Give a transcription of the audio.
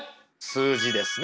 数字ですね